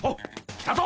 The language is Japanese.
来たぞ！